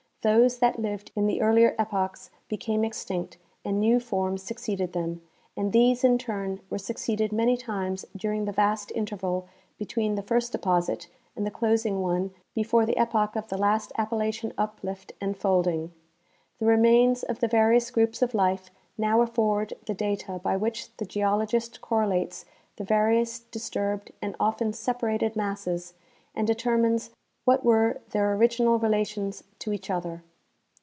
Those that lived iu the earlier epochs became extinct and new forms succeeded them, and these in turn were succeeded many times during the vast interval between the first deposit and the closing one before the epoch of the last Appalachian uplift and folding. The re mains of the various groups of life now afford the data by which the geologist correlates the various disturbed and often separated masses and determines Avhat were their original relations to each other.